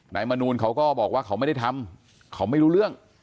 มนูลเขาก็บอกว่าเขาไม่ได้ทำเขาไม่รู้เรื่อง